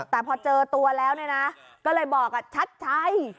แต่พอเจอตัวแล้วเนี่ยนะก็เลยบอกชัดชัย